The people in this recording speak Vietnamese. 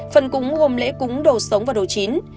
phần cúng gồm lễ cúng đồ sống và đồ chín